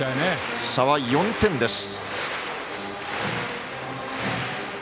差は４点です。